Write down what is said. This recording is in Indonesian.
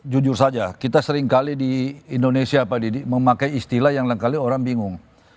jujur saja kita seringkali di indonesia pak didi memakai istilah yang lain kali orang bingung